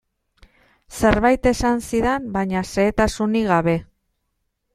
Zerbait esan zidan, baina xehetasunik gabe.